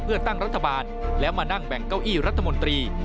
เพื่อตั้งรัฐบาลแล้วมานั่งแบ่งเก้าอี้รัฐมนตรี